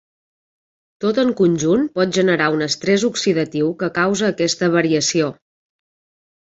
Tot en conjunt pot generar un estrès oxidatiu que causa aquesta variació.